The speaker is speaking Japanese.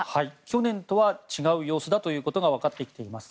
去年とは違う様子だということが分かってきています。